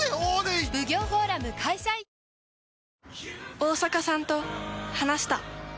大坂さんと話した。